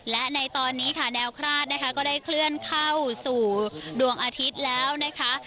และในตอนนี้ค่ะแนวคลาดนะคะก็ได้เคลื่อนเข้าสู่ดวงอาทิตย์แล้วนะคะ